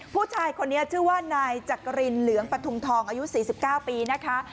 ผู้ชายคนนี้ชื่อว่านายจักรินเหลืองปฐุมทองอายุ๔๙ปีนะคะ